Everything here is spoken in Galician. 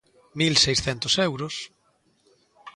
¡Mil seiscentos euros!